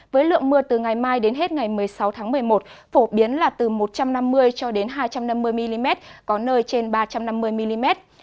với lượng mưa từ ngày mai đến hết ngày một mươi sáu tháng một mươi một phổ biến là từ một trăm năm mươi cho đến hai trăm năm mươi mm có nơi trên ba trăm năm mươi mm